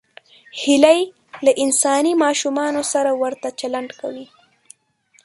هیلۍ له انساني ماشومانو سره ورته چلند کوي